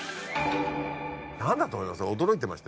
何だと思います？